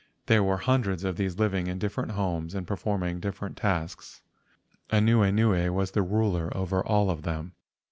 There were hundreds of these living in different homes, and performing different tasks. Anuenue was the ruler over all of them.